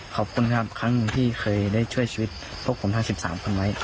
ขอบคุณครับครั้งหนึ่งที่เคยได้ช่วยชีวิตพวกผมทั้ง๑๓คนไว้